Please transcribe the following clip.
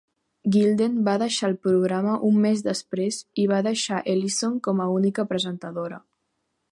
Gilden va deixar el programa un mes després i va deixar Ellison com a única presentadora.